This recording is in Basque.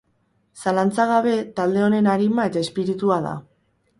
Zalantza gabe, talde honen arima eta espiritua da.